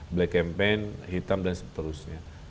black campaign hitam dan seterusnya